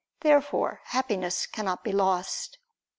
Therefore Happiness cannot be lost.